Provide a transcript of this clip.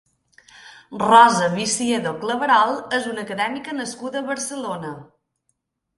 Rosa Visiedo Claverol és una acadèmica nascuda a Barcelona.